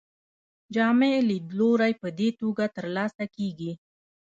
جامع لیدلوری په دې توګه ترلاسه کیږي.